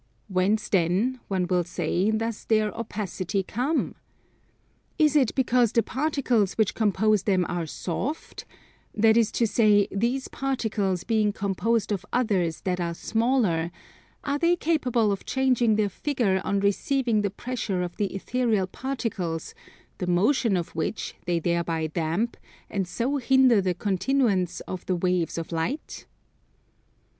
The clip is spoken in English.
Whence then, one will say, does their opacity come? Is it because the particles which compose them are soft; that is to say, these particles being composed of others that are smaller, are they capable of changing their figure on receiving the pressure of the ethereal particles, the motion of which they thereby damp, and so hinder the continuance of the waves of light?